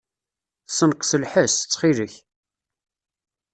Ssenqes lḥess, ttxil-k.